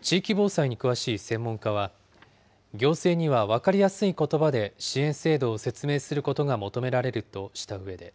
地域防災に詳しい専門家は、行政には分かりやすいことばで支援制度を説明することが求められるとしたうえで。